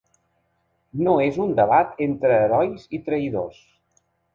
No és un debat entre herois i traïdors.